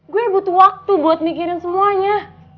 gue butuh waktu buat mikirin semuanya